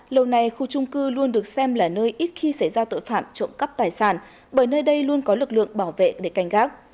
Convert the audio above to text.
lâu nay khu trung cư luôn được xem là nơi ít khi xảy ra tội phạm trộm cắp tài sản bởi nơi đây luôn có lực lượng bảo vệ để canh gác